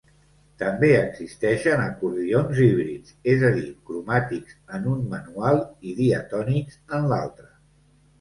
També existeixen acordions híbrids, és a dir, cromàtics en un manual i diatònics en l'altre.